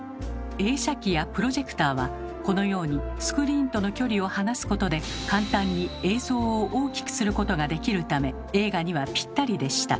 映写機やプロジェクターはこのようにスクリーンとの距離を離すことで簡単に映像を大きくすることができるため映画にはぴったりでした。